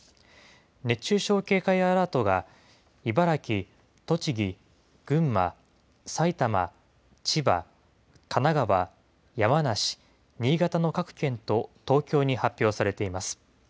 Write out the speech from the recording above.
熱中症警戒アラートが茨城、栃木、群馬、埼玉、千葉、神奈川、山梨、新潟の各県と東京に発表されています。